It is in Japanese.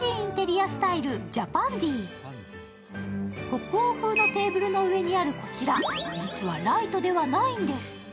北欧風のテーブルの上にあるこちら、実はライトではないんです。